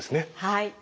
はい。